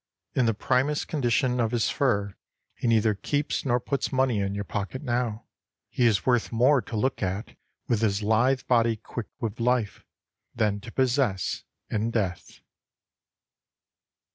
In the primest condition of his fur he neither keeps nor puts money in your pocket now. He is worth more to look at, with his lithe body quick with life, than to possess in death.